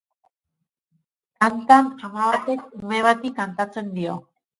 Kantan ama batek ume bati kantatzen dio.